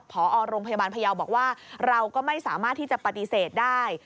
พอโรงพยาบาลพยาวบอกว่าเราก็ไม่สามารถที่จะปฏิเสธได้